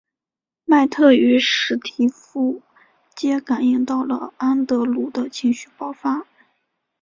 麦特与史提夫皆感应到了安德鲁的情绪爆发。